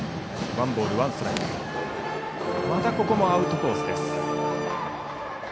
またここもアウトコース。